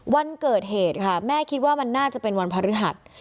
วันเกิดเหตุค่ะแม่คิดว่ามันน่าจะเป็นวันพฤหัส